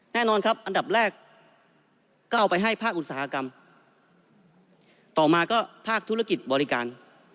แน่นอนครับอันดับแรกก็เอาไปให้ภาคอุตสาหกรรมต่อมาก็ภาคธุรกิจบริการ